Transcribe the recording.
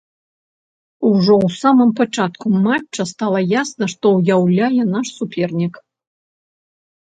Ужо ў самым пачатку матча стала ясна, што ўяўляе наш супернік.